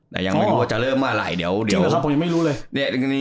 แต่ยังไม่รู้ว่าจะเริ่มหรือไม่รู้เลย